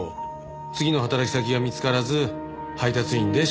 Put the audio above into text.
次の働き先が見つからず配達員でしのいでいた。